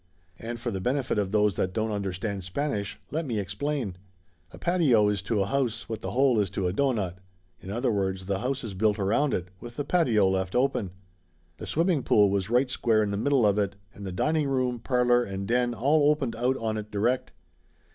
And for the benefit of those that don't understand Spanish, let me explain. A patio is to a house what the hole is to a doughnut. In other words, the house is built around it, with the patio left open. The swimming pool was right square in the middle of it, and the dining room, parlor and den all opened out on it direct.